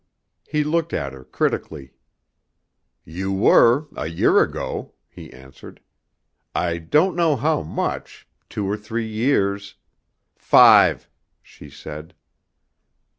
He looked at her critically. "You were, a year ago," he answered; "I don't know how much, two or three years " "Five," she said.